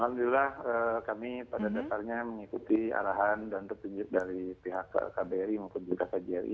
alhamdulillah kami pada dasarnya mengikuti arahan dan petunjuk dari pihak kbri maupun juga kjri